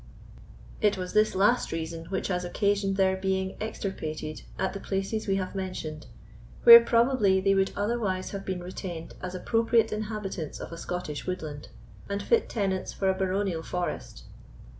It was this last reason which has occasioned their being extirpated at the places we have mentioned, where probably they would otherwise have been retained as appropriate inhabitants of a Scottish woodland, and fit tenants for a baronial forest.